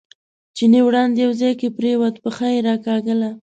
چیني وړاندې یو ځای کې پرېوت، پښه یې راکاږله.